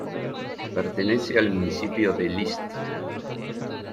Pertenece al municipio de List.